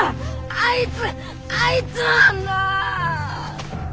あいつあいつなんだ！